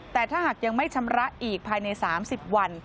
แต่ถ้าหากยังไม่ชำระอีกภายใน๓๐วัน